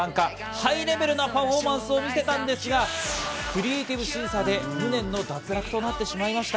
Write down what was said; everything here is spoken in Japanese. ハイレベルなパフォーマンスを見せたんですがクリエイティブ審査で無念の脱落となってしまいました。